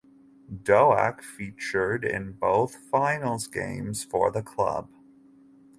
Doak featured in both finals games for the club.